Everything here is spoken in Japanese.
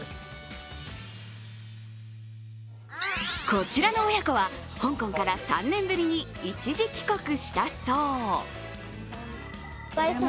こちらの親子は香港から３年ぶりに一時帰国したそう。